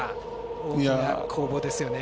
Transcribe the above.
大きな攻防ですよね。